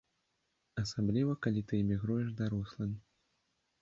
Асабліва калі ты імігруеш дарослым.